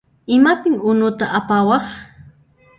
Imapin unuta apawaq?